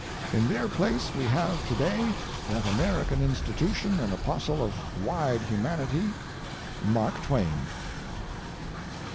In their place we have to day that American institution and apostle of wide humanity Mark Twain."